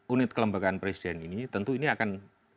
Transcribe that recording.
unit kelembagaan presiden ini tentu ini akan